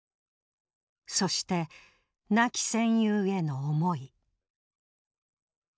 そして亡き戦友への思い。